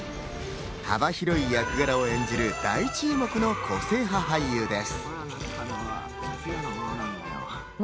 幅広い役柄を演じる、大注目の個性派俳優です。